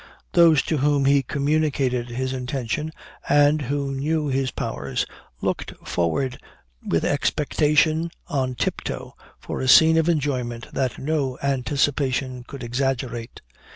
Those to whom he communicated his intention, and who knew his powers, looked forward with expectation "on tiptoe" for a scene of enjoyment that no anticipation could exaggerate.